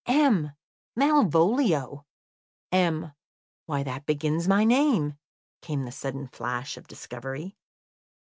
"M Malvolio; M why, that begins my name!" came the sudden flash of discovery.